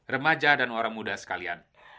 remaja dan orang muda sekalian